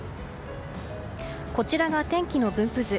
こちらが天気の分布図。